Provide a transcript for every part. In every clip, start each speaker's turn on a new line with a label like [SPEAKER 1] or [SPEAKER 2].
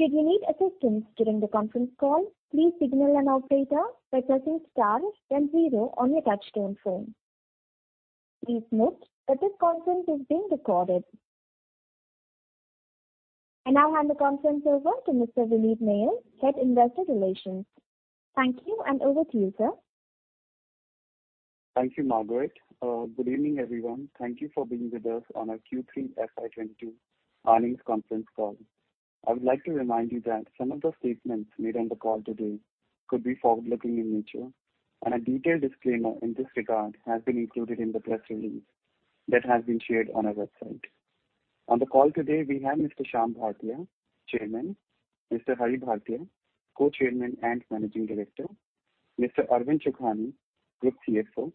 [SPEAKER 1] Thank you, Margaret. Good evening, everyone. Thank you for being with us on our Q3 FY 2022 earnings conference call. I would like to remind you that some of the statements made on the call today could be forward-looking in nature, and a detailed disclaimer in this regard has been included in the press release that has been shared on our website. On the call today, we have Mr. Shyam Bhartia, Chairman, Mr. Hari Bhartia, Co-chairman and Managing Director, Mr. Arvind Chokhani, Group CFO,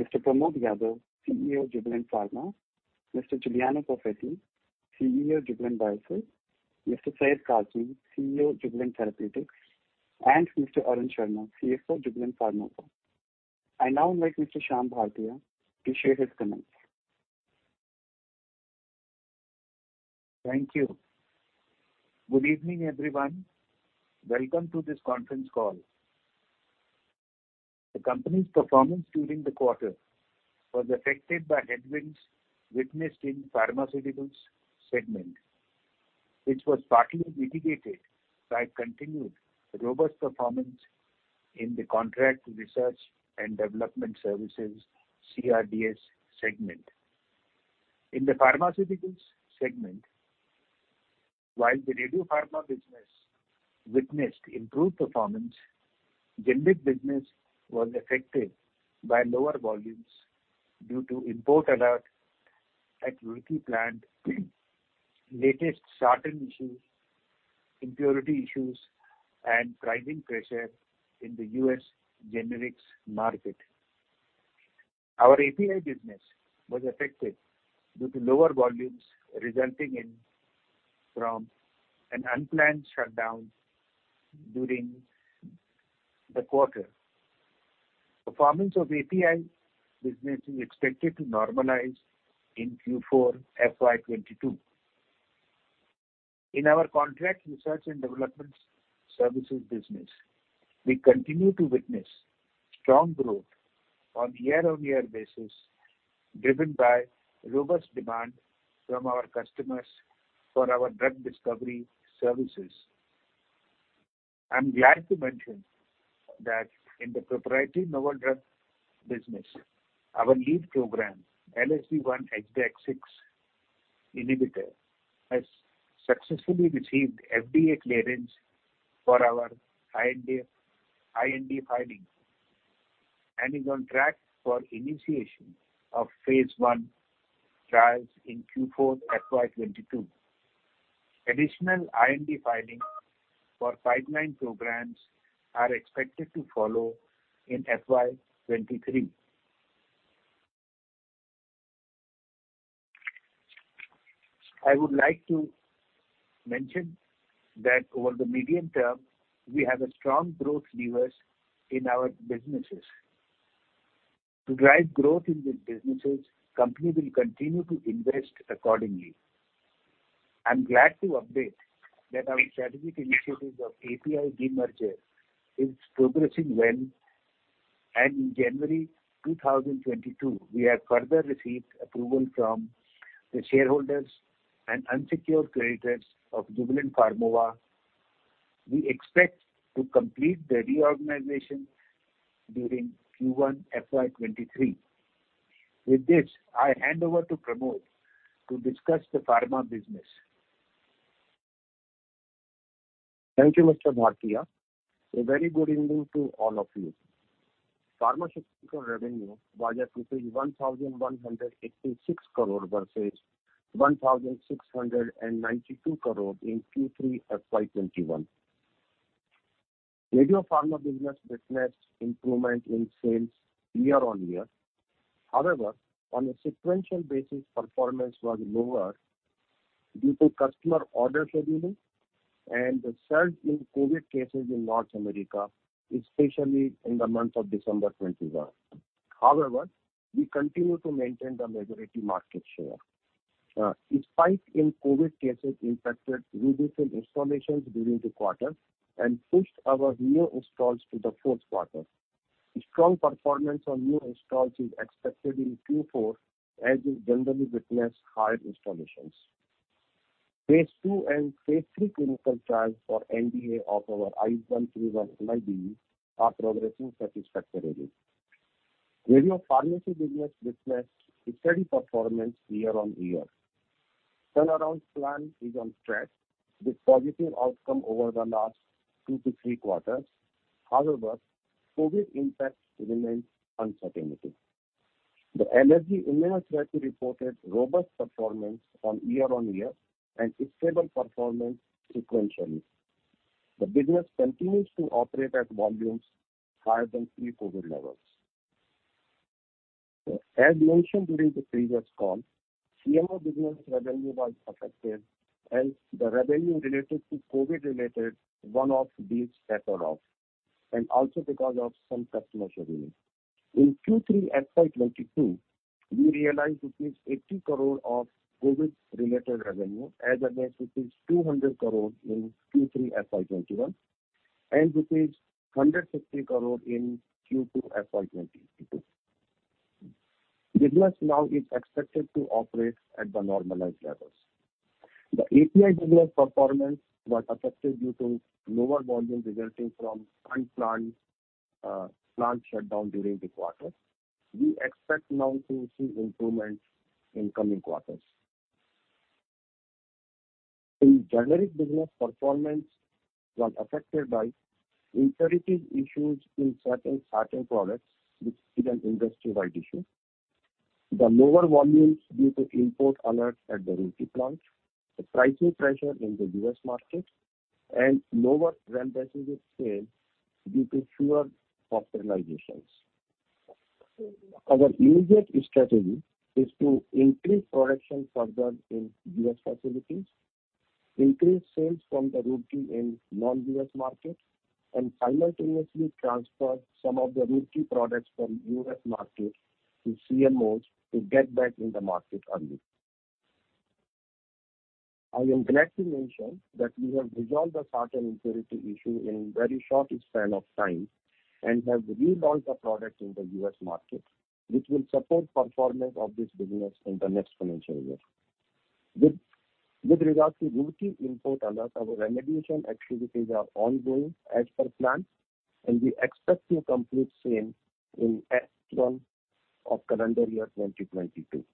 [SPEAKER 1] Mr. Pramod Yadav, CEO Jubilant Pharma, Mr. Giuliano Perfetti, CEO Jubilant Biosys, Mr. Syed Kazmi, CEO Jubilant Therapeutics, and Mr. Arun Sharma, CFO Jubilant Pharmova. I now invite Mr. Shyam Bhartia to share his comments.
[SPEAKER 2] Thank you. Good evening, everyone. Welcome to this conference call. The company's performance during the quarter was affected by headwinds witnessed in pharmaceuticals segment, which was partly mitigated by continued robust performance in the contract research and development services, CRDS segment. In the pharmaceuticals segment, while the Radiopharma business witnessed improved performance, the generics business was affected by lower volumes due to an import alert at the Roorkee plant, latest sartan issue, impurity issues and pricing pressure in the U.S. generics market. Our API business was affected due to lower volumes resulting from an unplanned shutdown during the quarter. Performance of API business is expected to normalize in Q4 FY 2022. In our contract research and development services business, we continue to witness strong growth on a year-on-year basis, driven by robust demand from our customers for our drug discovery services. I'm glad to mention that in the proprietary novel drug business, our lead program, LSD1 HDAC6 inhibitor, has successfully received FDA clearance for our IND filing and is on track for initiation of phase I trials in Q4 FY 2022. Additional IND filings for pipeline programs are expected to follow in FY 2023. I would like to mention that over the medium term, we have a strong growth levers in our businesses. To drive growth in these businesses, company will continue to invest accordingly. I'm glad to update that our strategic initiatives of API demerger is progressing well, and in January 2022, we have further received approval from the shareholders and unsecured creditors of Jubilant Pharmova. We expect to complete the reorganization during Q1 FY 2023. With this, I hand over to Pramod to discuss the pharma business.
[SPEAKER 3] Thank you, Mr. Bhartia. A very good evening to all of you. Pharmaceutical revenue was 1,186 crore versus 1,692 crore in Q3 FY 2021. Radiopharma business witnessed improvement in sales year-on-year. On a sequential basis, performance was lower due to customer order scheduling and the surge in COVID cases in North America, especially in the month of December 2021. We continue to maintain a majority market share. A spike in COVID cases impacted repeat installations during the quarter and pushed our new installs to the fourth quarter. Strong performance on new installs is expected in Q4 as we generally witness higher installations. Phase II and phase III clinical trials for NDA of our I-131 MIBG are progressing satisfactorily. Radiopharmaceutical business witnessed a steady performance year-on-year. Turnaround plan is on track with positive outcome over the last 2-3 quarters. However, COVID impact remains uncertain. The Energy Industrials reported robust performance on year-on-year and stable performance sequentially. The business continues to operate at volumes higher than pre-COVID levels. As mentioned during the previous call, CMO business revenue was affected as the revenue related to COVID-related one-off deals tapered off, and also because of some customer scheduling. In Q3 FY 2022, we realized 80 crore of COVID-related revenue as against 200 crore in Q3 FY 2021 and 160 crore in Q2 FY 2022. Business now is expected to operate at the normalized levels. The API business performance was affected due to lower volume resulting from unplanned plant shutdown during the quarter. We expect now to see improvements in coming quarters. The generic business performance was affected by impurity issues in certain starting products, which is an industry-wide issue, the lower volumes due to import alerts at the Roorkee plant, the pricing pressure in the U.S. market, and lower remdesivir sales due to fewer hospitalizations. Our immediate strategy is to increase production further in U.S. facilities, increase sales from the Roorkee in non-U.S. markets, and simultaneously transfer some of the Roorkee products from U.S. market to CMOs to get back in the market early. I am glad to mention that we have resolved that sartan impurity issue in very short span of time and have relaunched the product in the U.S. market, which will support performance of this business in the next financial year. With regard to Roorkee import alert, our remediation activities are ongoing as per plan, and we expect to complete same in H1 of calendar year 2022.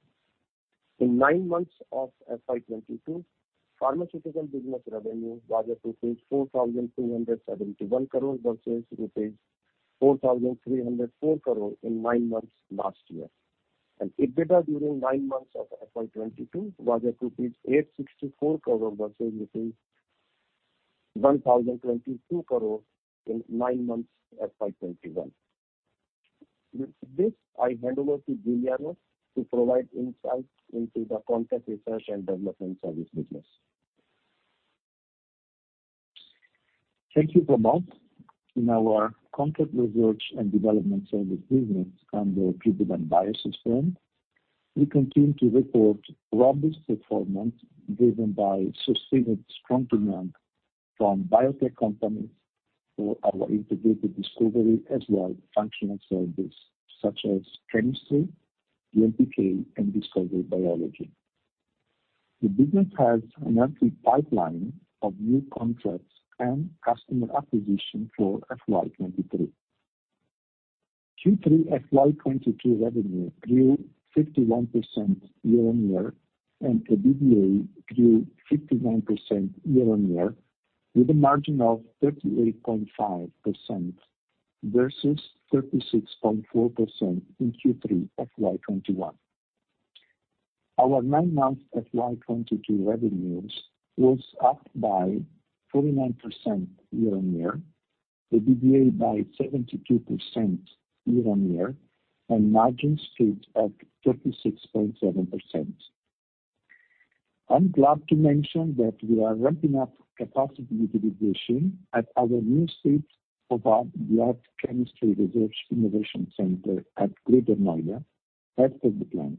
[SPEAKER 3] In nine months of FY 2022, pharmaceutical business revenue was at INR 4,271 crore versus INR 4,304 crore in nine months last year. EBITDA during nine months of FY 2022 was at rupees 864 crore versus rupees 1,022 crore in nine months FY 2021. With this, I hand over to Giuliano to provide insight into the Contract Research & Development Services business.
[SPEAKER 4] Thank you, Pramod Yadav. In our Contract Research & Development Services business under Jubilant Biosys, we continue to report robust performance driven by sustained strong demand from biotech companies for our integrated discovery as well as functional services such as chemistry, DMPK, and discovery biology. The business has an active pipeline of new contracts and customer acquisition for FY 2023. Q3 FY 2022 revenue grew 51% year-on-year, and EBITDA grew 51% year-on-year with a margin of 38.5% versus 36.4% in Q3 FY 2021. Our 9 months FY 2022 revenues was up by 49% year-on-year, EBITDA by 72% year-on-year, and margin stood at 36.7%. I'm glad to mention that we are ramping up capacity utilization at our new state-of-the-art drug chemistry research innovation center at Greater Noida ahead of the plan.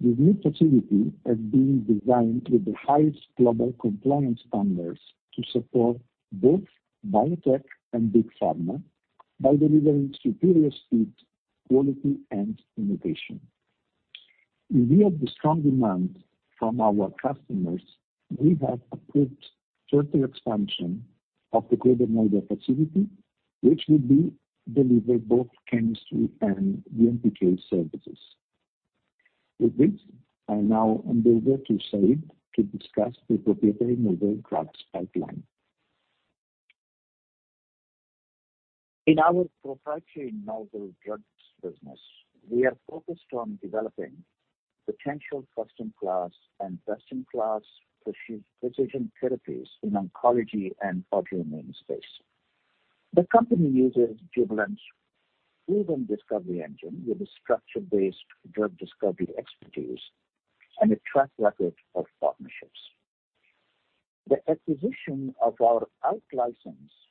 [SPEAKER 4] The new facility has been designed with the highest global compliance standards to support both biotech and big pharma by delivering superior speed, quality and innovation. In view of the strong demand from our customers, we have approved further expansion of the Greater Noida facility, which will deliver both chemistry and DMPK services. With this, I now hand over to Syed Kazmi to discuss the proprietary novel drugs pipeline.
[SPEAKER 5] In our proprietary novel drugs business, we are focused on developing potential first-in-class and best-in-class precision therapies in oncology and autoimmune space. The company uses Jubilant's proven discovery engine with a structure-based drug discovery expertise and a track record of partnerships. The acquisition of our out-licensed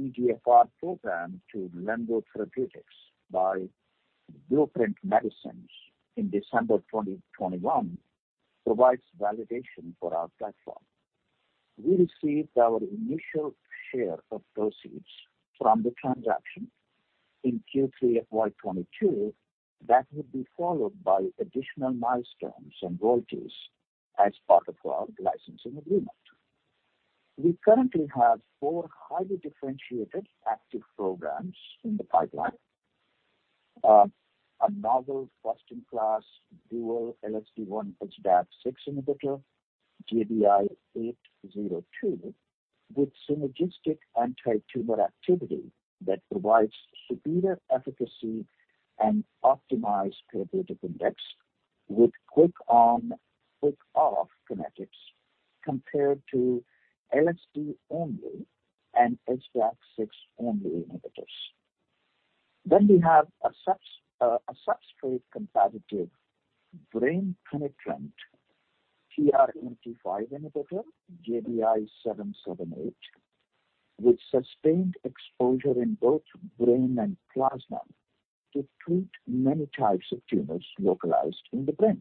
[SPEAKER 5] EGFR program to Lengo Therapeutics by Blueprint Medicines in December 2021 provides validation for our platform. We received our initial share of proceeds from the transaction in Q3 FY 2022 that would be followed by additional milestones and royalties as part of our licensing agreement. We currently have four highly differentiated active programs in the pipeline. A novel first-in-class dual LSD1 HDAC6 inhibitor. JBI-802 with synergistic anti-tumor activity that provides superior efficacy and optimized therapeutic index with quick on, quick off kinetics compared to LSD1-only and HDAC6-only inhibitors. We have a substrate-competitive brain-penetrant PRMT5 inhibitor, JBI-778, with sustained exposure in both brain and plasma to treat many types of tumors localized in the brain.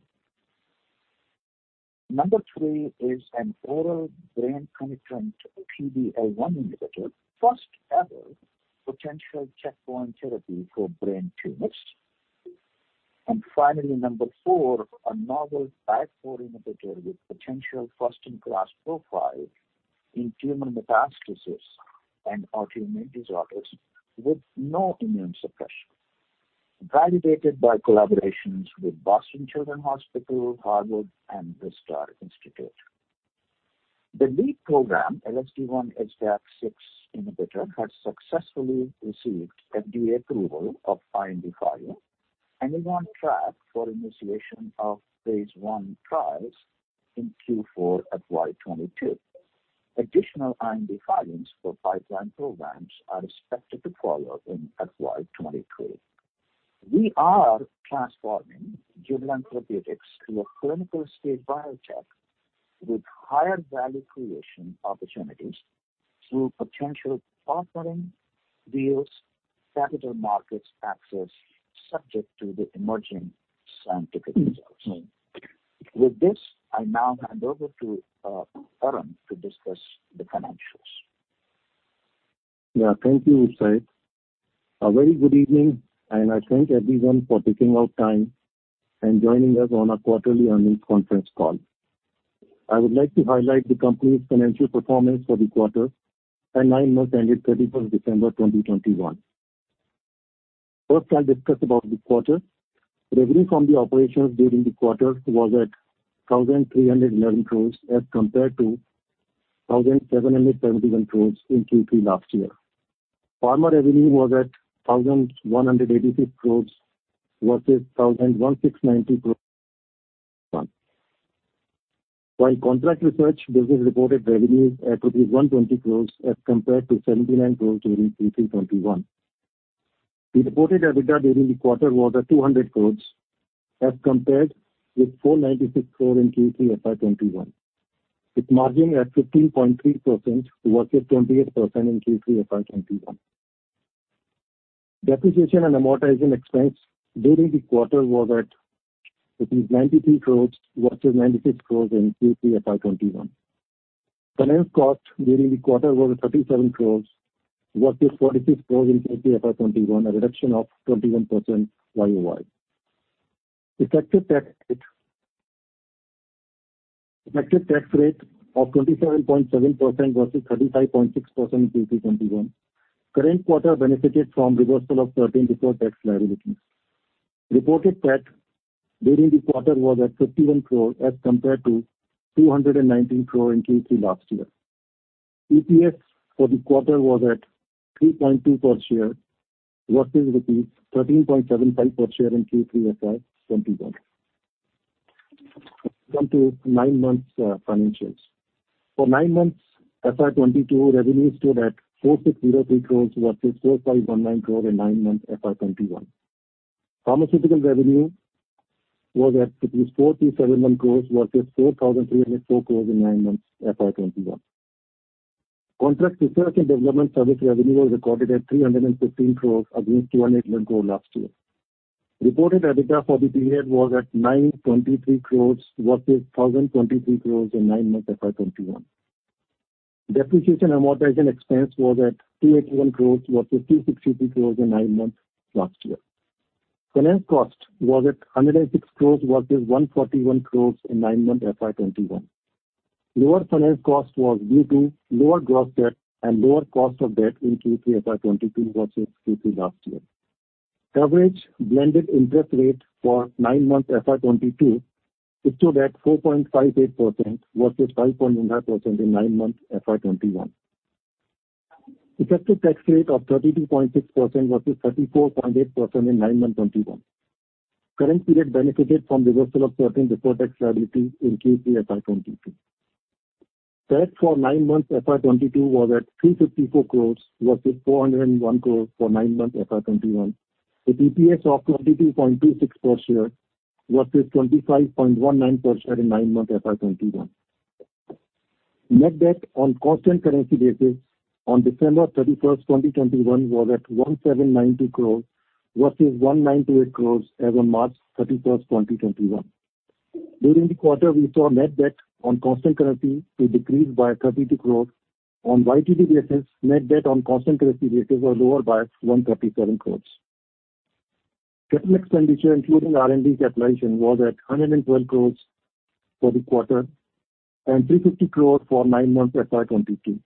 [SPEAKER 5] Number three is an oral brain-penetrant PD-L1 inhibitor, first ever potential checkpoint therapy for brain tumors. Finally, number four, a novel IL-4 inhibitor with potential first-in-class profile in tumor metastases and autoimmune disorders with no immune suppression. Validated by collaborations with Boston Children's Hospital, Harvard, and Wistar Institute. The lead program, LSD1/HDAC6 inhibitor, has successfully received FDA approval of IND filing and is on track for initiation of phase I trials in Q4 FY 2022. Additional IND filings for pipeline programs are expected to follow in FY 2023. We are transforming Jubilant Therapeutics to a clinical-stage biotech with higher value creation opportunities through potential partnering deals, capital markets access, subject to the emerging scientific results. With this, I now hand over to Arun to discuss the financials.
[SPEAKER 6] Thank you, Syed. A very good evening, and I thank everyone for taking out time and joining us on our quarterly earnings conference call. I would like to highlight the company's financial performance for the quarter and nine months ended 31 December 2021. First, I'll discuss about the quarter. Revenue from the operations during the quarter was at 1,311 crore as compared to 1,771 crore in Q3 last year. Pharma revenue was at 1,186 crore versus 1,169 crore. While contract research business reported revenues at rupees 120 crore as compared to 79 crore during Q3 2021. The reported EBITDA during the quarter was at 200 crore as compared with 496 crore in Q3 FY 2021, with margin at 15.3% versus 28% in Q3 FY 2021. Depreciation and amortization expense during the quarter was at 93 crore versus 96 crore in Q3 FY 2021. Finance cost during the quarter was 37 crore versus 46 crore in Q3 FY 2021, a reduction of 21% YOY. Effective tax rate of 27.7% versus 35.6% in Q3 2021. Current quarter benefited from reversal of certain deferred tax liabilities. Reported tax during the quarter was at 51 crore as compared to 219 crore in Q3 last year. EPS for the quarter was at 3.2 per share versus rupees 13.75 per share in Q3 FY 2021. Coming to nine months, financials. For nine months FY 2022 revenues stood at 4,603 crore versus 4,519 crore in nine months FY 2021. Pharmaceutical revenue was at 4,371 crore versus 4,304 crore in nine months FY 2021. Contract research and development service revenue was recorded at 315 crore against 208 crore last year. Reported EBITDA for the period was at 923 crore versus 1,023 crore in nine months FY 2021. Depreciation and amortization expense was at 281 crore versus 263 crore in nine months last year. Finance cost was at 106 crore versus 141 crore in nine months FY 2021. Lower finance cost was due to lower gross debt and a lower cost of debt compared with Q3 FY 2021. Average blended interest rate for nine months FY 2022 stood at 4.58% versus 5.9% in nine months FY 2021. Effective tax rate of 32.6% versus 34.8% in nine months FY 2021. Current period benefited from reversal of certain deferred tax liability in Q3 FY 2022. Tax for nine months FY 2022 was at 354 crore versus 401 crore for nine months FY 2021, with EPS of 22.26 per share versus 25.19 per share in nine months FY 2021. Net debt on constant currency basis on December 31, 2021 was at 1,790 crore versus 198 crore as on March 31, 2021. During the quarter, we saw net debt on constant currency to decrease by 32 crore. On YTD basis, net debt on constant currency basis was lower by 137 crore. Capital expenditure, including R&D capitalization, was at 112 crores for the quarter and 350 crore for nine months FY 2022.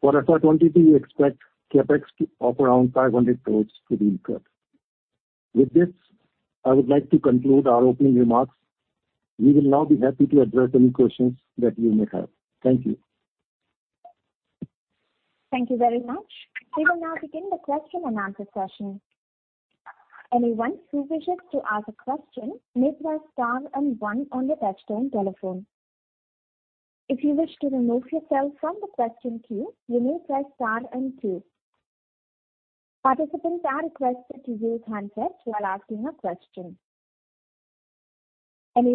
[SPEAKER 6] For FY 2022, we expect CapEx of around 500 crore to be incurred.
[SPEAKER 3] With this, I would like to conclude our opening remarks. We will now be happy to address any questions that you may have. Thank you.
[SPEAKER 7] Hi,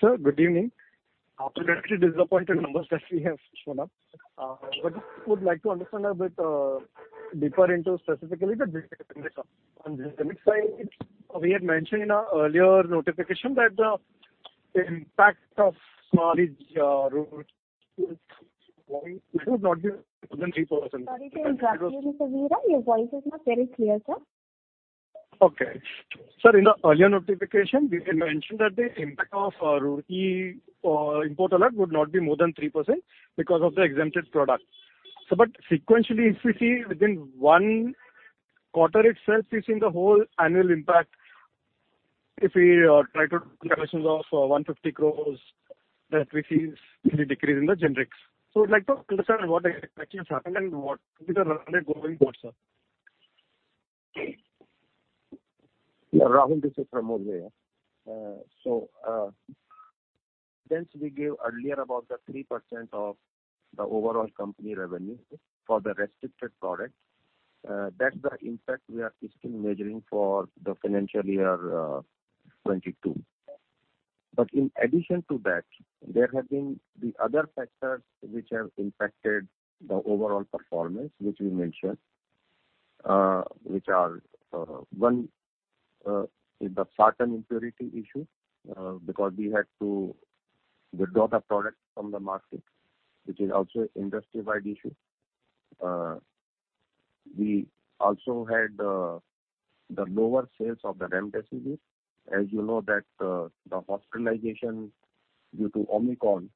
[SPEAKER 7] sir. Good evening. Obviously disappointed numbers that we have shown up. Just would like to understand a bit deeper into specifically the generics. On generic side, we had mentioned in our earlier notification that the impact of sartan route would not be more than 3%. Okay. Sir, in the earlier notification, we had mentioned that the impact of Roorkee import alert would not be more than 3% because of the exempted product. Sequentially, if we see within one quarter itself, we've seen the whole annual impact if we try to do conversions of 150 crore that we see in the decrease in the generics. I'd like to understand what exactly has happened and what is the Roorkee going forward, sir.
[SPEAKER 3] Rahul, this is Pramod here. Since we gave earlier about the 3% of the overall company revenue for the restricted product, that's the impact we are still measuring for the financial year 2022. In addition to that, there have been the other factors which have impacted the overall performance, which we mentioned, which are, one, is the certain impurity issue, because we had to withdraw the product from the market, which is also industry-wide issue. We also had the lower sales of the remdesivir. As you know that, the hospitalization due to Omicron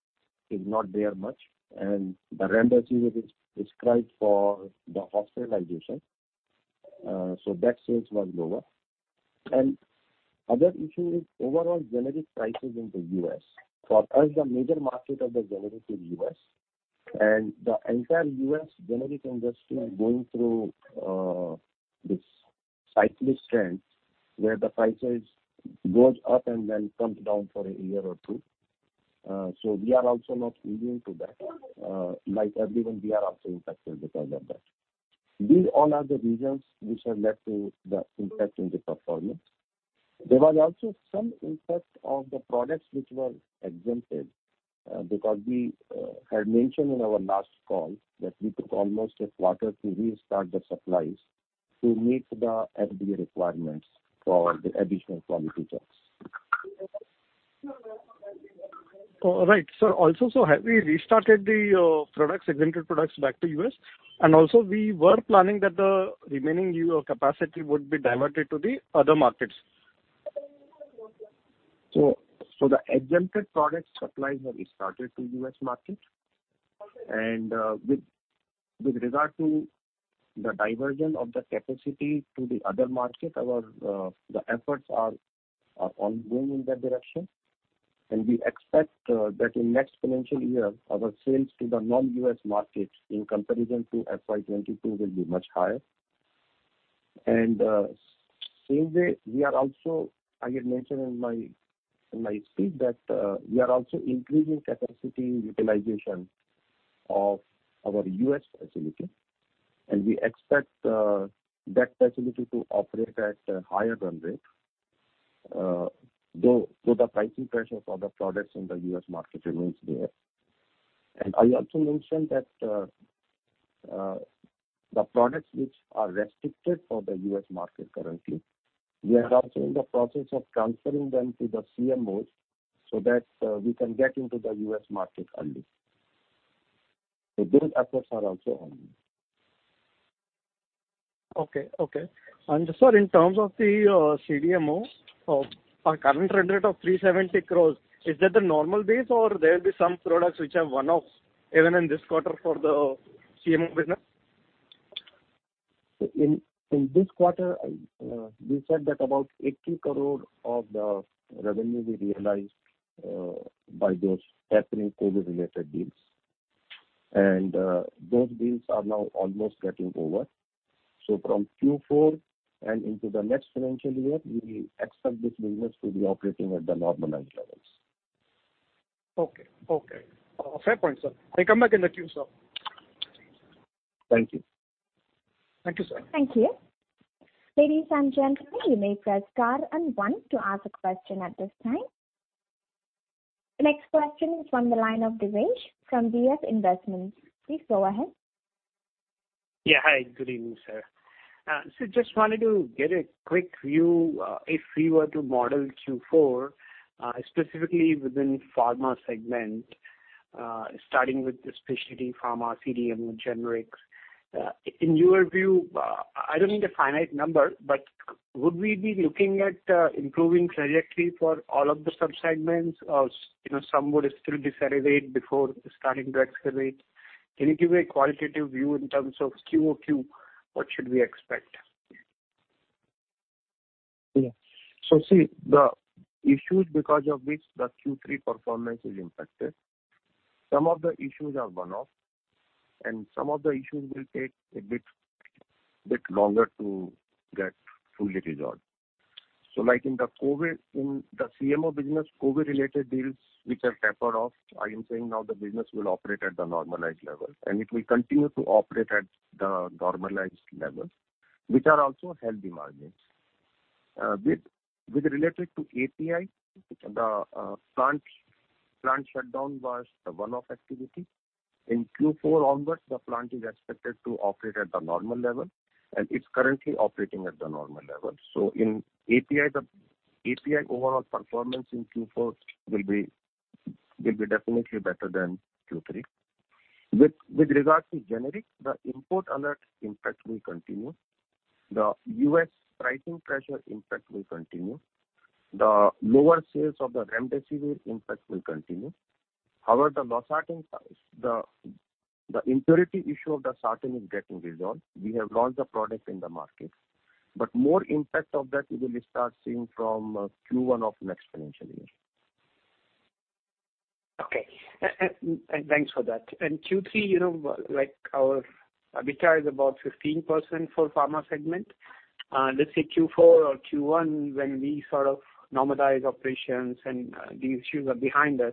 [SPEAKER 3] is not there much, and the remdesivir is prescribed for the hospitalization, so that sales was lower. Other issue is overall generic prices in the U.S. For us, the major market of the generic is U.S., and the entire U.S. generic industry is going through this cyclic trend, where the prices go up and then comes down for a year or two. We are also not immune to that. Like everyone, we are also impacted because of that. These all are the reasons which have led to the impact in the performance. There was also some impact of the products which were exempted because we had mentioned in our last call that we took almost a quarter to restart the supplies to meet the FDA requirements for the additional quality checks.
[SPEAKER 7] All right. Sir, also, so have we restarted the products, exempted products back to the U.S.? Also, we were planning that the remaining year capacity would be diverted to the other markets.
[SPEAKER 3] The exempted product supplies have restarted to the U.S. market. With regard to the diversion of the capacity to the other market, our efforts are ongoing in that direction. We expect that in next financial year, our sales to the non-U.S. markets in comparison to FY 2022 will be much higher. In the same way, as I had mentioned in my speech, we are also increasing capacity utilization of our U.S. facility, and we expect that facility to operate at a higher run rate. Though the pricing pressure for the products in the U.S. market remains there. I also mentioned that, the products which are restricted for the U.S. market currently, we are also in the process of transferring them to the CMOs so that, we can get into the U.S. market early. Those efforts are also ongoing.
[SPEAKER 7] Okay. Okay. Sir, in terms of the CDMO of our current run rate of 370 crore, is that the normal base or there'll be some products which are one-off even in this quarter for the CMO business?
[SPEAKER 3] In this quarter, we said that about 80 crore of the revenue we realized by those happening COVID-related deals. Those deals are now almost getting over. From Q4 and into the next financial year, we expect this business to be operating at the normalized levels.
[SPEAKER 7] Okay. Fair point, sir. I come back in the queue, sir.
[SPEAKER 3] Thank you.
[SPEAKER 7] Thank you, sir.
[SPEAKER 8] Hi, good evening, sir. So just wanted to get a quick view, if we were to model Q4, specifically within pharma segment, starting with the specialty pharma CDMO generics. In your view, I don't need a finite number, but would we be looking at improving trajectory for all of the sub-segments or, you know, some would still decelerate before starting to accelerate? Can you give a qualitative view in terms of Q over Q, what should we expect?
[SPEAKER 3] See, the issues because of which the Q3 performance is impacted, some of the issues are one-off, and some of the issues will take a bit longer to get fully resolved. Like in the CMO business, COVID-related deals which have tapered off, I am saying now the business will operate at the normalized level, and it will continue to operate at the normalized level, which are also healthy margins. With regards to API, the plant shutdown was a one-off activity. In Q4 onwards, the plant is expected to operate at the normal level, and it's currently operating at the normal level. In API, the API overall performance in Q4 will be definitely better than Q3. With regards to generic, the import alert impact will continue. The U.S. pricing pressure impact will continue. The lower sales of the remdesivir impact will continue. However, the losartan, the impurity issue of the sartan is getting resolved. We have launched the product in the market. More impact of that we will start seeing from Q1 of next financial year.
[SPEAKER 8] Thanks for that. Q3, you know, like our EBITDA is about 15% for pharma segment. Let's say Q4 or Q1, when we sort of normalize operations and the issues are behind us,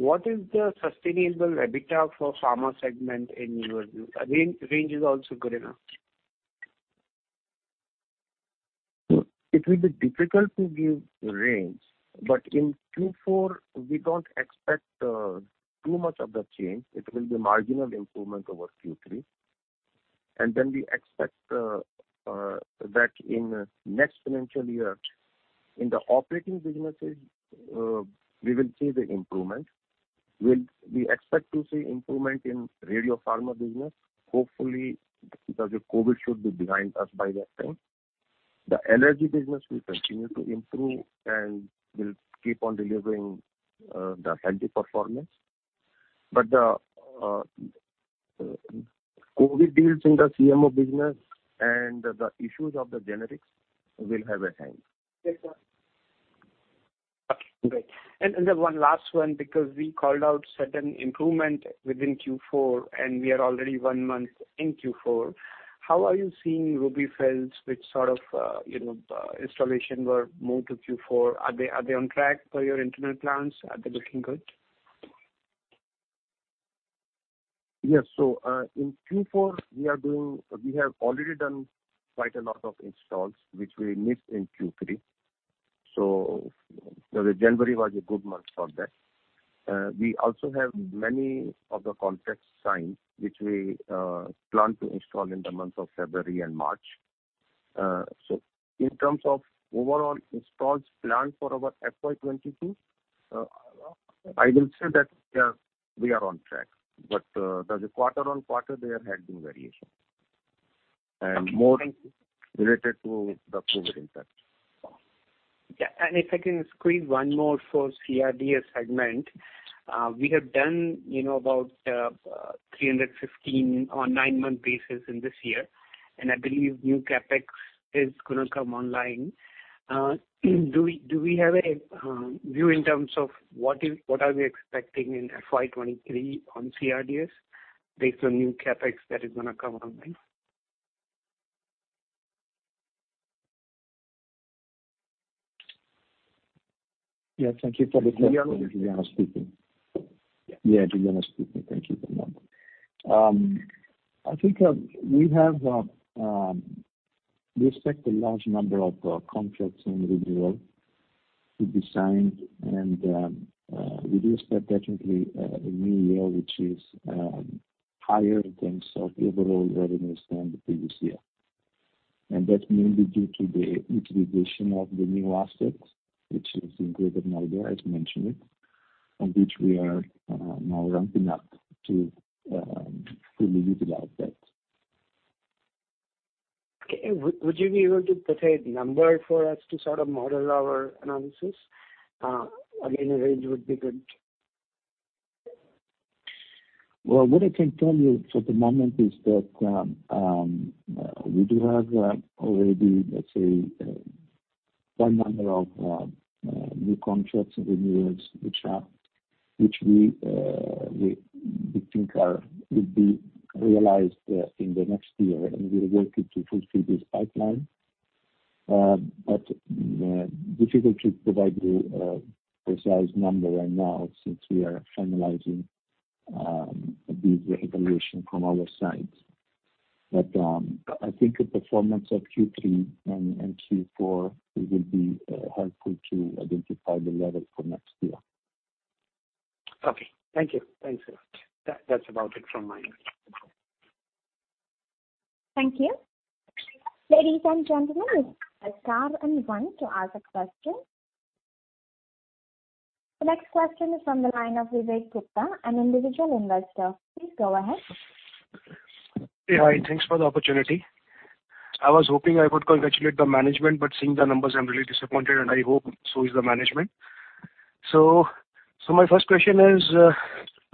[SPEAKER 8] what is the sustainable EBITDA for pharma segment in your view? A range is also good enough.
[SPEAKER 3] It will be difficult to give range, but in Q4 we don't expect too much of the change. It will be marginal improvement over Q3. Then we expect that in next financial year, in the operating businesses, we will see the improvement. We expect to see improvement in Radiopharma business, hopefully because of COVID should be behind us by that time. The energy business will continue to improve and will keep on delivering the healthy performance. The COVID deals in the CMO business and the issues of the generics will take time.
[SPEAKER 8] Yes, sir. Okay, great. Then one last one, because we called out certain improvement within Q4, and we are already one month in Q4. How are you seeing RUBY-FILL which sort of, you know, installations were moved to Q4? Are they on track per your internal plans? Are they looking good?
[SPEAKER 3] Yes. In Q4, we are doing. We have already done quite a lot of installs which we missed in Q3. January was a good month for that. We also have many of the contracts signed which we plan to install in the month of February and March. In terms of overall installs planned for our FY 2022, I will say that, we are on track. The quarter-on-quarter, there had been variation more related to the COVID impact.
[SPEAKER 8] If I can squeeze one more for CRDS segment. We have done about 315 on nine-month basis in this year, and I believe new CapEx is gonna come online. Do we have a view in terms of what are we expecting in FY 2023 on CRDS based on new CapEx that is gonna come online?
[SPEAKER 4] thank you for the question. Giuliano speaking. Thank you for that. I think we expect a large number of contracts and renewals to be signed and we do expect definitely a new year which is higher in terms of overall revenues than the previous year. That's mainly due to the utilization of the new assets which is in greater number, as mentioned, and which we are now ramping up to fully utilize that.
[SPEAKER 8] Okay. Would you be able to provide number for us to sort of model our analysis? Again, a range would be good.
[SPEAKER 4] Well, what I can tell you for the moment is that we do have already, let's say, a number of new contracts and renewals which we think will be realized in the next year, and we are working to fulfill this pipeline. Difficult to provide you a precise number right now since we are finalizing a big reevaluation from our side. I think the performance of Q3 and Q4 will be helpful to identify the levels for next year.
[SPEAKER 3] Okay. Thank you. Thanks a lot. That, that's about it from my end.
[SPEAKER 9] Hi, thanks for the opportunity. I was hoping I would congratulate the management, but seeing the numbers, I'm really disappointed, and I hope so is the management. My first question is,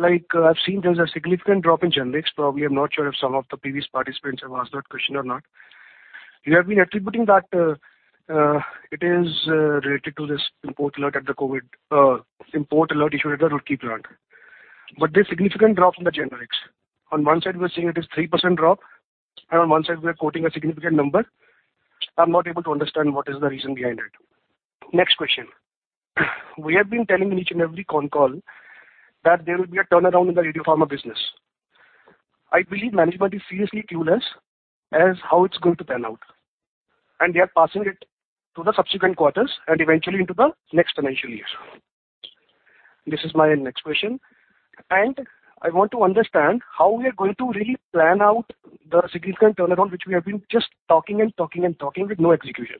[SPEAKER 9] like I've seen there's a significant drop in generics. Probably, I'm not sure if some of the previous participants have asked that question or not. You have been attributing that it is related to this import alert issued at the Roorkee plant. But there's significant drop in the generics. On one side we are seeing it is 3% drop, and on one side we are quoting a significant number. I'm not able to understand what is the reason behind it. Next question. We have been telling in each and every con call that there will be a turnaround in the Radiopharma business. I believe management is seriously clueless as to how it's going to pan out, and they are passing it to the subsequent quarters and eventually into the next financial year. This is my next question. I want to understand how we are going to really plan out the significant turnaround, which we have been just talking and talking and talking with no execution.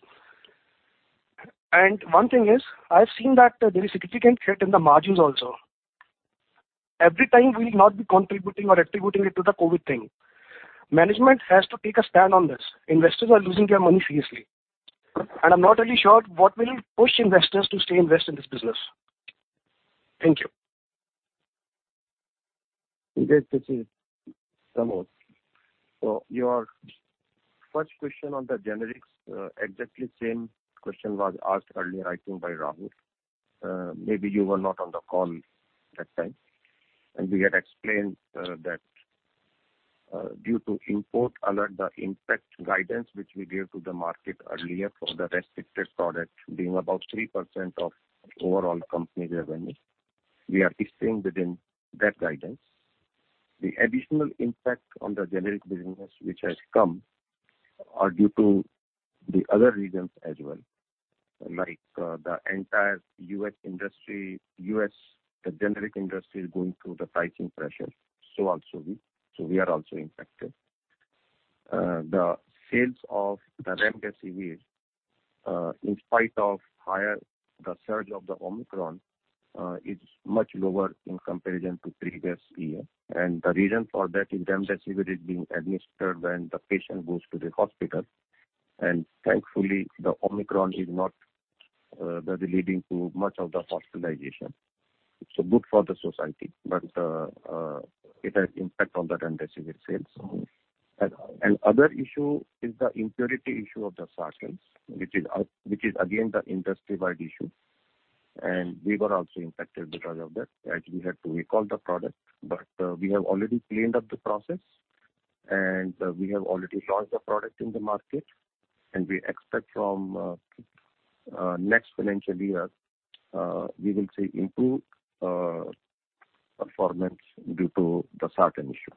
[SPEAKER 9] One thing is, I've seen that there is significant hit in the margins also. Every time we'll not be contributing or attributing it to the COVID thing. Management has to take a stand on this. Investors are losing their money seriously. I'm not really sure what will push investors to stay invested in this business. Thank you.
[SPEAKER 3] Vivek, this is Pramod Yadav. Your first question on the generics, exactly same question was asked earlier, I think, by Rahul. Maybe you were not on the call that time. We had explained that due to import alert, the impact guidance which we gave to the market earlier for the restricted products being about 3% of overall company revenue, we are staying within that guidance. The additional impact on the generic business which has come are due to the other reasons as well, the entire U.S. generic industry is going through the pricing pressure, so we are also impacted. The sales of the remdesivir, in spite of the higher surge of the Omicron, is much lower in comparison to previous year. The reason for that is remdesivir is being administered when the patient goes to the hospital. Thankfully, the Omicron is not that leading to much of the hospitalization. Good for the society, but it has impact on the remdesivir sales. Other issue is the impurity issue of the sartans, which is again the industry-wide issue. We were also impacted because of that, as we had to recall the product. We have already cleaned up the process, and we have already launched the product in the market. We expect from next financial year we will see improved performance due to the sartan issue.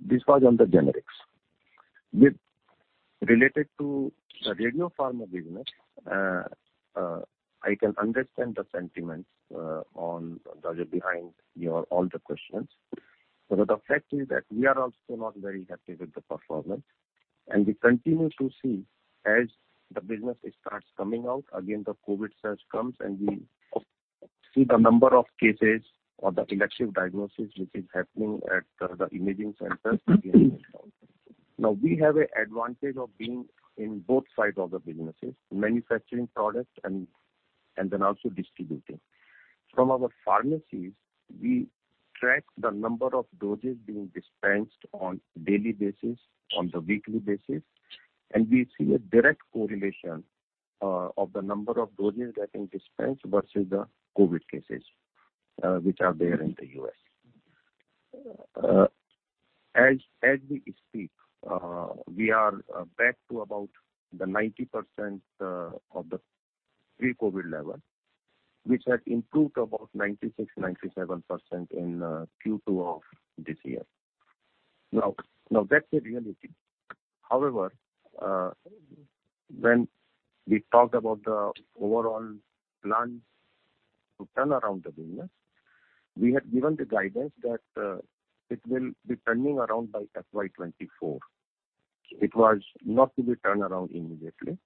[SPEAKER 3] This was on the generics. Related to the Radiopharma business, I can understand the sentiments behind your all the questions. The fact is that we are also not very happy with the performance, and we continue to see as the business starts coming out, again the COVID surge comes and we see the number of cases or the collective diagnosis which is happening at the imaging centers again goes down. Now, we have an advantage of being in both sides of the businesses, manufacturing products and then also distributing. From our pharmacies we track the number of doses being dispensed on daily basis, on the weekly basis, and we see a direct correlation of the number of doses getting dispensed versus the COVID cases which are there in the U.S. As we speak, we are back to about the 90% of the pre-COVID level, which had improved about 96%-97% in Q2 of this year. Now, that's the reality. However, when we talked about the overall plan to turn around the business, we had given the guidance that it will be turning around by FY 2024. It was not to be turned around immediately.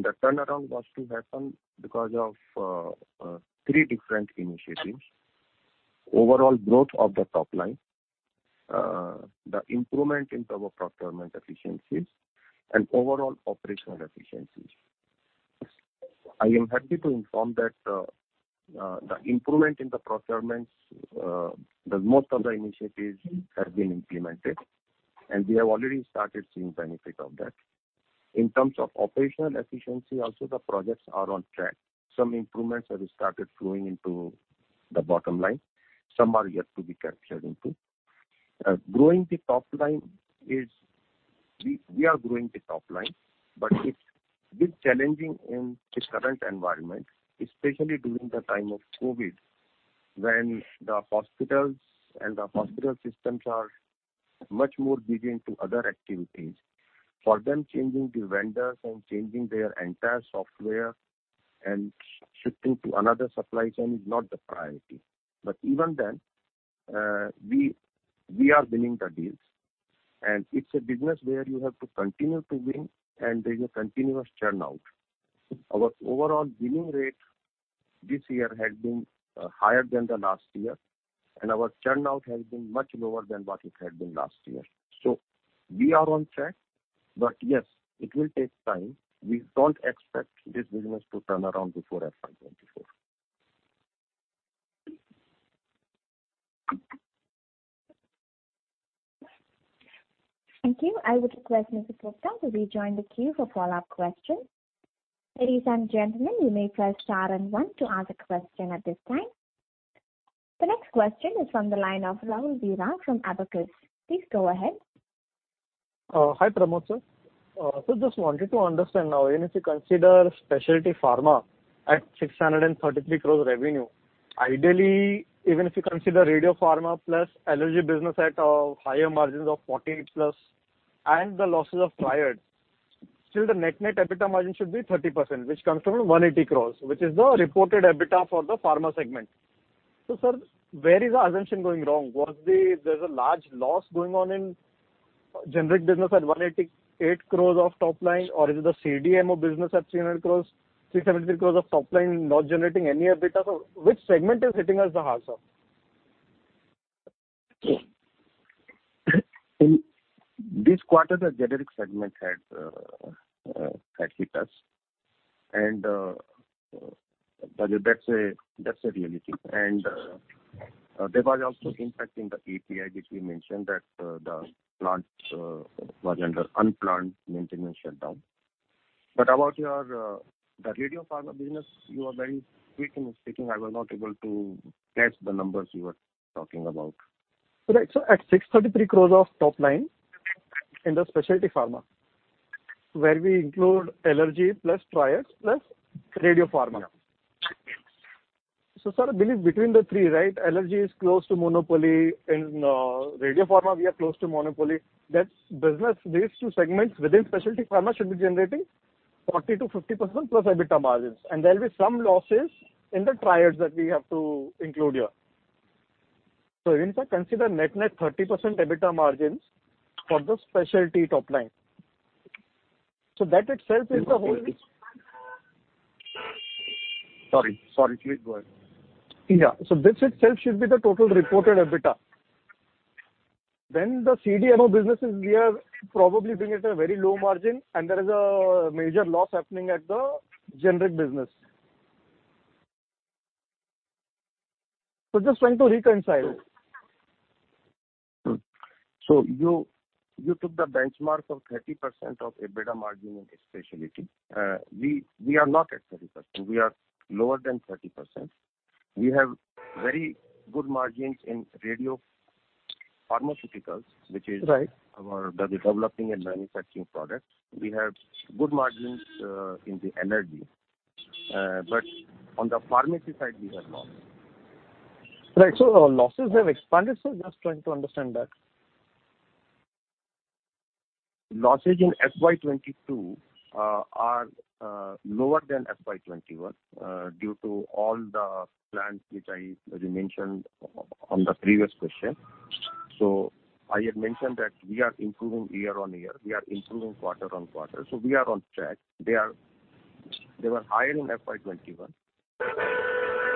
[SPEAKER 3] The turnaround was to happen because of three different initiatives: overall growth of the top line, the improvement in terms of procurement efficiencies, and overall operational efficiencies. I am happy to inform that the improvement in the procurements, most of the initiatives have been implemented, and we have already started seeing benefits of that. In terms of operational efficiency also the projects are on track. Some improvements have started flowing into the bottom line. Some are yet to be captured into. Growing the top line is. We are growing the top line, but it's a bit challenging in this current environment, especially during the time of COVID, when the hospitals and the hospital systems are much more geared to other activities. For them, changing the vendors and changing their entire software and shifting to another supply chain is not the priority. Even then, we are winning the deals, and it's a business where you have to continue to win and there's a continuous churn. Our overall winning rate this year has been higher than the last year, and our churn has been much lower than what it had been last year. We are on track. Yes, it will take time. We don't expect this business to turn around before FY 2024.
[SPEAKER 7] Hi, Pramod sir. Just wanted to understand now, even if you consider specialty pharma at 633 crore revenue, ideally even if you consider Radiopharma plus allergy business at higher margins of 14%+ and the losses of Triad, still the net-net EBITDA margin should be 30%, which comes to 180 crore, which is the reported EBITDA for the pharma segment. Sir, where is our assumption going wrong? There's a large loss going on in generic business at 188 crore in revenue or is it the CDMO business at 300 crore, 373 crore of top line not generating any EBITDA. Which segment is hitting us the hardest, sir?
[SPEAKER 3] In this quarter, the generic segment had hit us and that's a reality. There was also impact in the API which we mentioned that the plant was under unplanned maintenance shutdown. About your the Radiopharma business, you are very quick in speaking. I was not able to catch the numbers you were talking about.
[SPEAKER 7] At 633 crore of top line in the Specialty Pharma where we include Allergy plus Triad Isotopes plus Radiopharma.
[SPEAKER 3] Yeah.
[SPEAKER 7] Sir, I believe between the three, right, Allergy is close to monopoly. In radiopharma we are close to monopoly. That's business. These two segments within specialty pharma should be generating 40%-50%+ EBITDA margins, and there'll be some losses in the Triad that we have to include here. Even if I consider net-net 30% EBITDA margins for the specialty top line. That itself is the whole.
[SPEAKER 3] Sorry. Please go ahead.
[SPEAKER 7] This itself should be the total reported EBITDA. The CDMO businesses we are probably doing it at a very low margin, and there is a major loss happening at the generic business. Just trying to reconcile.
[SPEAKER 3] You took the benchmark of 30% of EBITDA margin in specialty. We are not at 30%. We are lower than 30%. We have very good margins in radiopharmaceuticals, which is-
[SPEAKER 7] Right.
[SPEAKER 3] our development and manufacturing products. We have good margins in the allergy. On the pharma side we have lost.
[SPEAKER 7] Right. Our losses have expanded, so just trying to understand that.
[SPEAKER 3] Losses in FY 2022 are lower than FY 2021 due to all the plans which I mentioned on the previous question. I had mentioned that we are improving year-on-year. We are improving quarter-on-quarter, so we are on track. They were higher in FY 2021.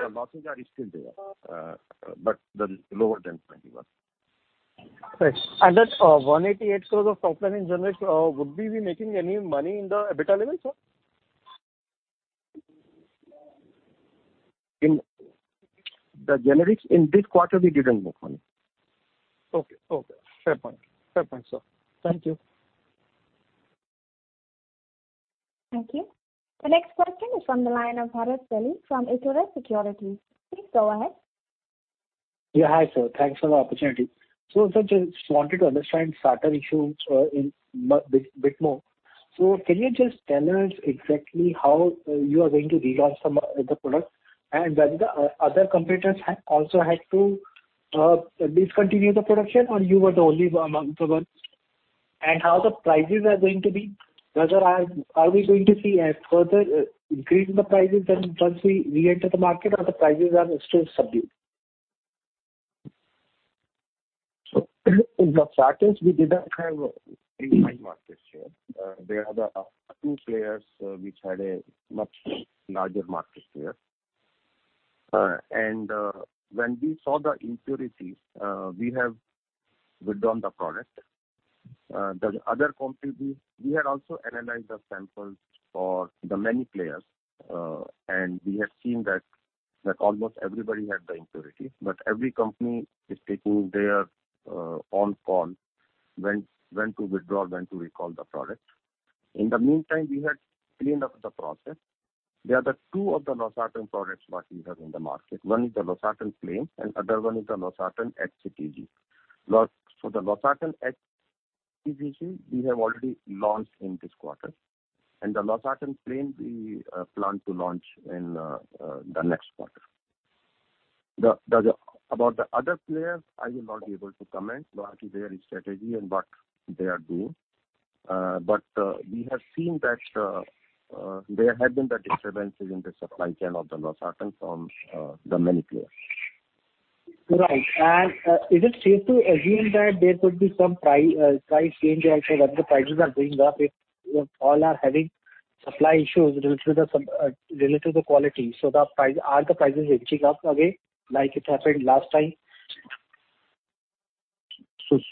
[SPEAKER 3] The losses are still there, but they're lower than 2021.
[SPEAKER 7] Right. That 188 crore of top line in generic would we be making any money in the EBITDA level, sir?
[SPEAKER 3] In the generics, in this quarter we didn't make money.
[SPEAKER 7] Okay. Fair point, sir. Thank you.
[SPEAKER 10] Hi sir. Thanks for the opportunity. Sir, just wanted to understand sartan issues a bit more. Can you just tell us exactly how you are going to relaunch the product and when the other competitors also had to discontinue the production or you were the only among the ones? How the prices are going to be? Whether we are going to see a further increase in the prices than once we reenter the market or the prices are still subdued?
[SPEAKER 3] In the start we didn't have a high market share. There are the two players which had a much larger market share. When we saw the impurities, we have withdrawn the product. The other companies, we had also analyzed the samples for the many players, and we have seen that almost everybody had the impurity, but every company is taking their own call when to withdraw, when to recall the product. In the meantime, we had cleaned up the process. There are the two of the losartan products what we have in the market. One is the losartan plain and other one is the losartan HCTZ. The losartan HCTZ we have already launched in this quarter and the losartan plain we plan to launch in the next quarter. About the other players, I will not be able to comment regarding their strategy and what they are doing. We have seen that there have been the disturbances in the supply chain of the losartan from the many players.
[SPEAKER 10] Right. Is it safe to assume that there could be some price change also that the prices are going up if you all are having supply issues related to the quality? Are the prices inching up again like it happened last time?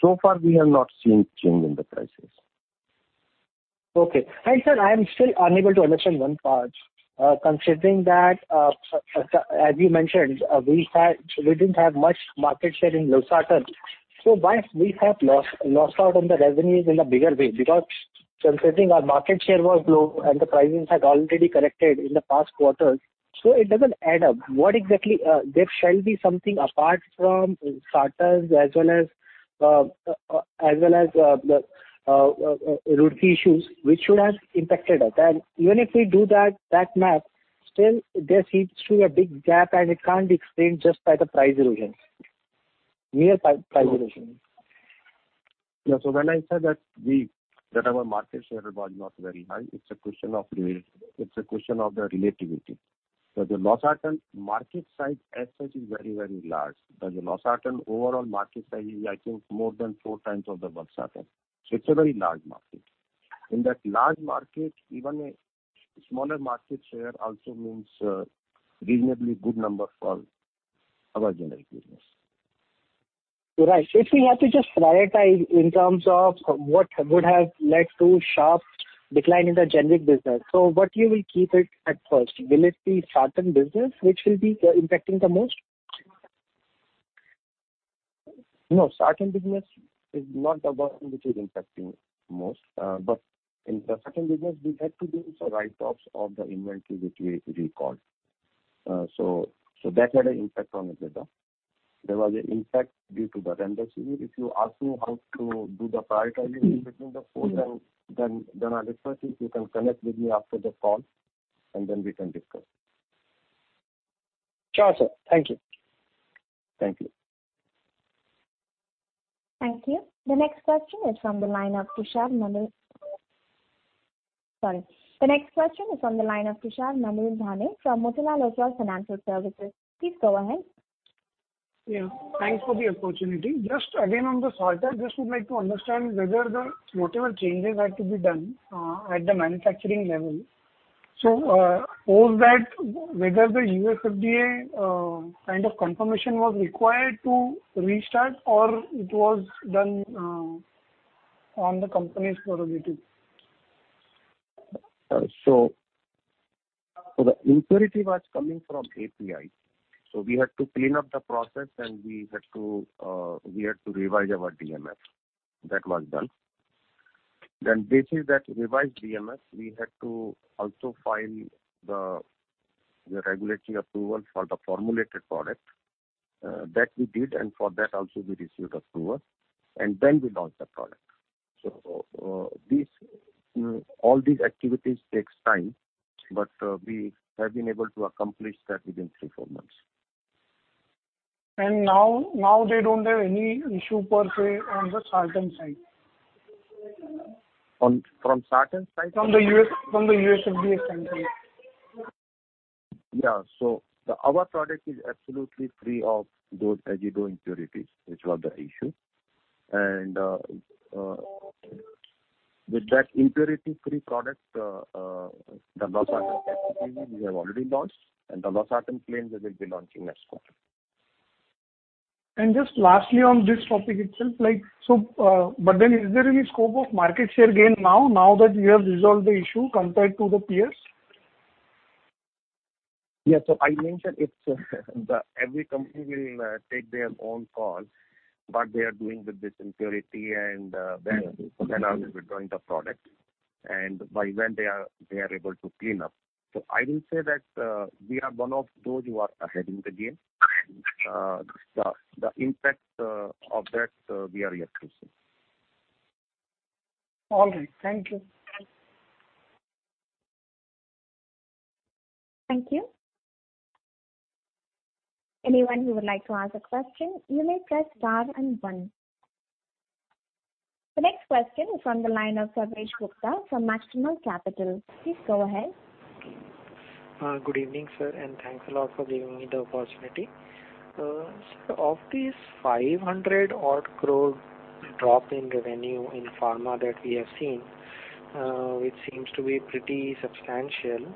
[SPEAKER 3] So far we have not seen change in the prices.
[SPEAKER 10] Okay. Sir, I am still unable to understand one part. Considering that, as you mentioned, we didn't have much market share in losartan, so why we have lost out on the revenues in a bigger way? Because considering our market share was low and the pricings had already corrected in the past quarters, so it doesn't add up. What exactly. There shall be something apart from sartans as well as the root issues which should have impacted us. Even if we do that math, still there seems to be a big gap and it can't be explained just by the price erosion. Mere price erosion.
[SPEAKER 3] When I said that our market share was not very high, it's a question of the relativity. The losartan market size as such is very, very large. The losartan overall market size is I think more than four times of the valsartan. It's a very large market. In that large market, even a smaller market share also means reasonably good number for our generic business.
[SPEAKER 10] Right. If we have to just prioritize in terms of what would have led to sharp decline in the generic business. What you will keep it at first? Will it be sartan business which will be impacting the most?
[SPEAKER 3] No, sartan business is not the one which is impacting most. In the sartan business we had to do some write-offs of the inventory which we recalled. That had an impact on the business. There was an impact due to the Roorkee issue. If you ask me how to do the prioritization between the four, then I request if you can connect with me after the call and then we can discuss.
[SPEAKER 10] Sure, sir. Thank you.
[SPEAKER 3] Thank you.
[SPEAKER 11] Thanks for the opportunity. Just again, on the sartan, just would like to understand whether the whatever changes had to be done at the manufacturing level. So, all that, whether the U.S. FDA kind of confirmation was required to restart or it was done on the company's prerogative?
[SPEAKER 3] The impurity was coming from API. We had to clean up the process and we had to revise our DMF. That was done. Based on that revised DMF, we had to also file the regulatory approval for the formulated product. That we did, and for that also we received approval, and we launched the product. All these activities takes time, but we have been able to accomplish that within 3-4 months.
[SPEAKER 11] Now they don't have any issue per se on the sartan side.
[SPEAKER 3] From sartan side?
[SPEAKER 11] From the U.S., from the U.S. FDA standpoint.
[SPEAKER 3] Our product is absolutely free of those azido impurities, which was the issue. With that impurity-free product, the losartan we have already launched, and the losartan plain that we'll be launching next quarter.
[SPEAKER 11] Just lastly on this topic itself, like, so, but then is there any scope of market share gain now that you have resolved the issue compared to the peers?
[SPEAKER 3] I mentioned every company will take their own call what they are doing with this impurity and when are they withdrawing the product and by when they are able to clean up. I will say that we are one of those who are ahead in the game. The impact of that, we are yet to see.
[SPEAKER 11] All right. Thank you.
[SPEAKER 12] Good evening, sir, and thanks a lot for giving me the opportunity. Of these 500-odd crore drop in revenue in pharma that we have seen, which seems to be pretty substantial.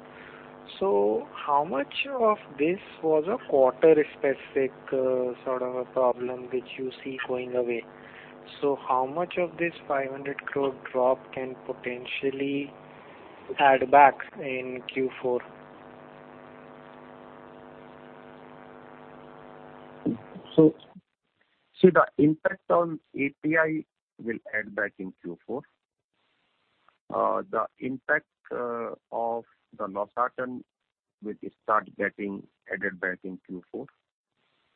[SPEAKER 12] How much of this was a quarter-specific, sort of a problem which you see going away? How much of this 500 crore drop can potentially add back in Q4?
[SPEAKER 3] See the impact on API will add back in Q4. The impact of the losartan will start getting added back in Q4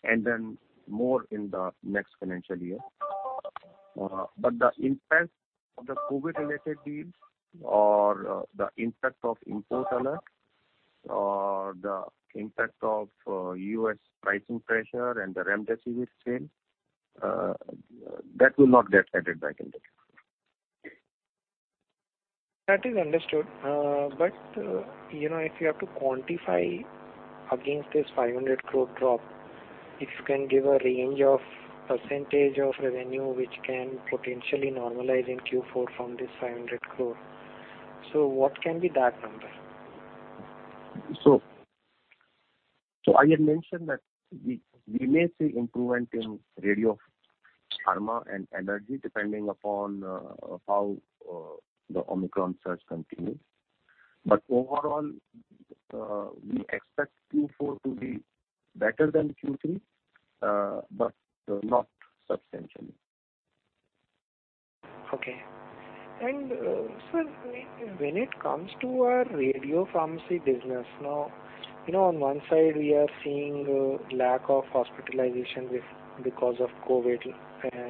[SPEAKER 3] and then more in the next financial year. The impact of the COVID-related deals or the impact of import alert or the impact of U.S. pricing pressure and the remdesivir sale, that will not get added back in.
[SPEAKER 12] That is understood. You know, if you have to quantify against this 500 crore drop, if you can give a range of percentage of revenue which can potentially normalize in Q4 from this 500 crore, so what can be that number?
[SPEAKER 3] I had mentioned that we may see improvement in Radiopharma and energy depending upon how the Omicron surge continues. Overall, we expect Q4 to be better than Q3, but not substantially.
[SPEAKER 12] Okay. Sir, when it comes to our Radiopharma business now, you know, on one side we are seeing a lack of hospitalizations because of COVID,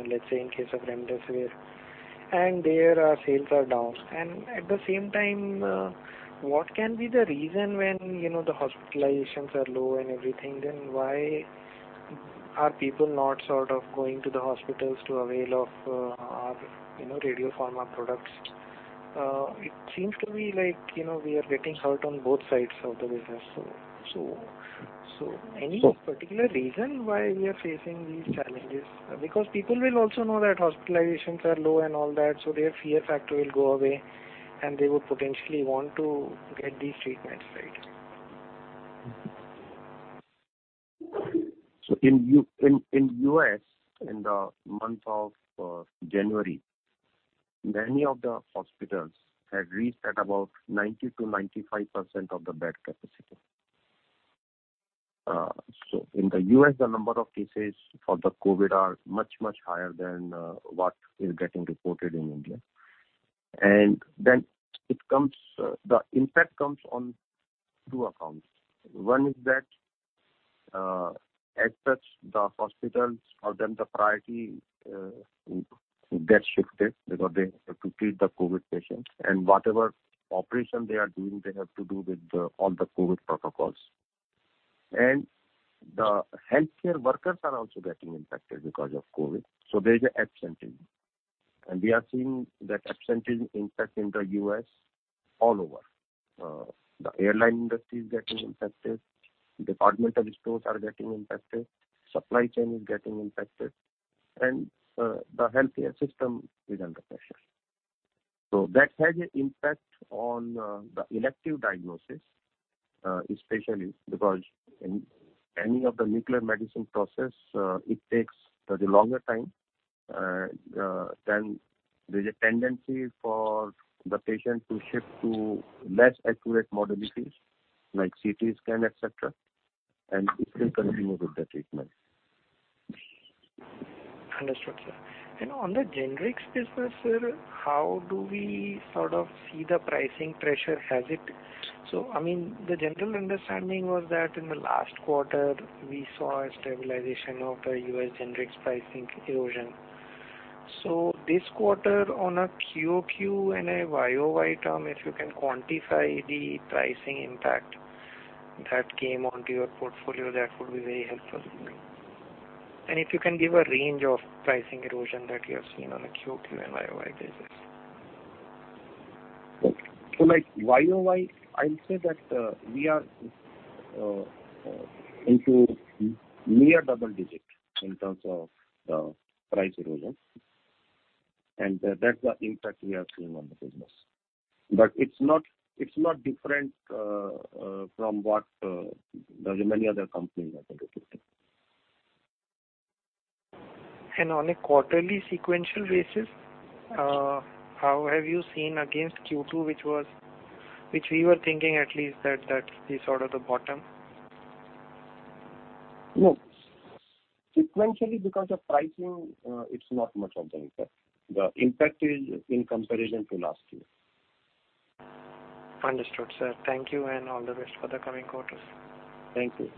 [SPEAKER 12] let's say in case of remdesivir, and there our sales are down. At the same time, what can be the reason when, you know, the hospitalizations are low and everything, then why are people not sort of going to the hospitals to avail of, our, you know, Radiopharma products? It seems to be like, you know, we are getting hurt on both sides of the business. Any particular reason why we are facing these challenges? Because people will also know that hospitalizations are low and all that, so their fear factor will go away, and they would potentially want to get these treatments, right.
[SPEAKER 3] In the U.S., in the month of January, many of the hospitals had reached at about 90%-95% of the bed capacity. In the U.S. the number of cases for the COVID are much, much higher than what is getting reported in India. The impact comes on two accounts. One is that, as such the hospitals have done the priority get shifted because they have to treat the COVID patients, and whatever operation they are doing, they have to do with all the COVID protocols. The healthcare workers are also getting infected because of COVID, so there's absenteeism. We are seeing that absenteeism impact in the U.S. all over. The airline industry is getting impacted, departmental stores are getting impacted, supply chain is getting impacted, and the healthcare system is under pressure. That has an impact on the elective diagnosis, especially because in any of the nuclear medicine process, it takes the longer time. There's a tendency for the patient to shift to less accurate modalities like CT scan, et cetera, and it will continue with the treatment.
[SPEAKER 12] Understood, sir. On the generics business, sir, how do we sort of see the pricing pressure? I mean, the general understanding was that in the last quarter we saw a stabilization of the U.S. generics pricing erosion. This quarter on a QOQ and a YOY term, if you can quantify the pricing impact that came onto your portfolio, that would be very helpful. If you can give a range of pricing erosion that you have seen on a QOQ and YOY basis.
[SPEAKER 3] Like YOY, I'll say that we are into near double digit in terms of price erosion. That's the impact we are seeing on the business. It's not different from what the many other companies are reporting.
[SPEAKER 12] On a quarterly sequential basis, how have you seen against Q2, which we were thinking at least that is sort of the bottom?
[SPEAKER 3] No. Sequentially because of pricing, it's not much of the impact. The impact is in comparison to last year.
[SPEAKER 12] Understood, sir. Thank you and all the best for the coming quarters.
[SPEAKER 3] Thank you.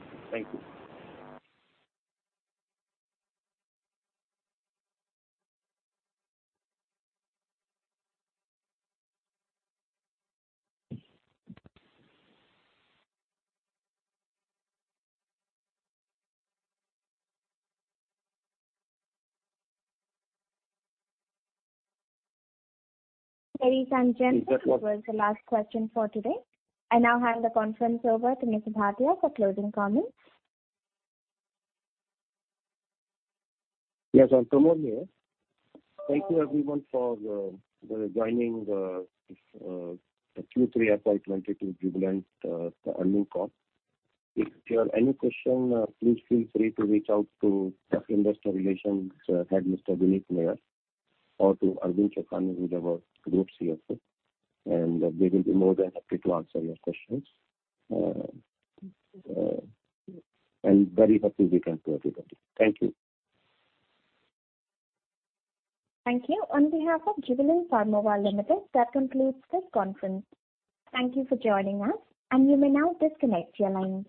[SPEAKER 3] Thank you. Yes, I'm Pramod here. Thank you everyone for joining the Q3 FY 2022 Jubilant earnings call. If you have any question, please feel free to reach out to our investor relations head, Mr. Vineet Mehra, or to Arvind Chokhani who's our group CFO, and they will be more than happy to answer your questions. Very happy return to everybody. Thank you.